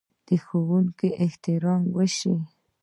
د ښوونکي احترام وشي.